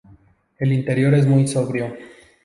El interior es muy sobrio.